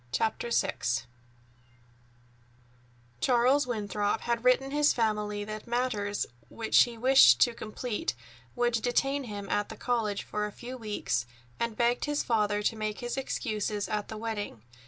CHAPTER VI Charles Winthrop had written his family that matters which he wished to complete would detain him at the college for a few weeks, and begged his father to make his excuses at the wedding.